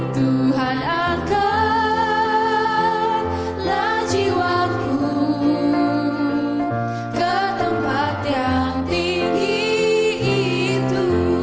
tuhan akanlah jiwaku ke tempat yang tinggi itu